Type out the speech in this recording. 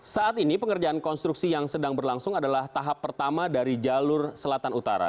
saat ini pengerjaan konstruksi yang sedang berlangsung adalah tahap pertama dari jalur selatan utara